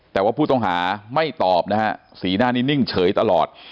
แต่ว่าผู้ต้องหาไม่ตอบนะฮะสีหน้านี้นิ่งเฉยตลอด